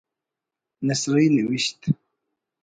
نثری نوشت